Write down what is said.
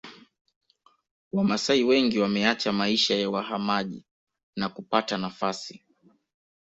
Wamasai wengi wameacha maisha ya wahamaji na kupata nafasi